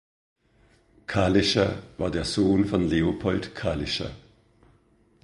Kalischer war der Sohn von Leopold Kalischer.